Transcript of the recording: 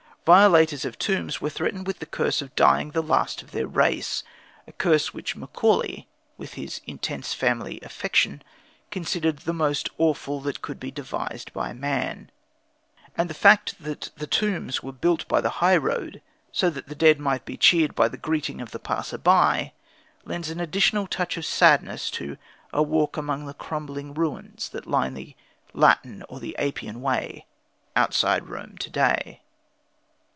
Violators of tombs were threatened with the curse of dying the last of their race a curse which Macaulay, with his intense family affection, considered the most awful that could be devised by man; and the fact that the tombs were built by the high road, so that the dead might be cheered by the greeting of the passer by, lends an additional touch of sadness to a walk among the crumbling ruins that line the Latin or the Appian Way outside Rome to day.